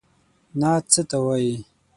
نعت څه ته وايي؟